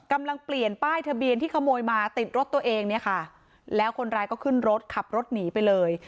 กำลังเปลี่ยนป้ายทะเบียนที่ขโมยมาติดรถตัวเองเนี่ยค่ะแล้วคนร้ายก็ขึ้นรถขับรถหนีไปเลย